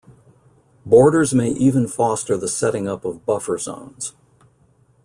Borders may even foster the setting up of buffer zones.